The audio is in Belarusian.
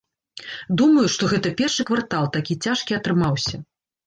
Думаю, што гэта першы квартал такі цяжкі атрымаўся.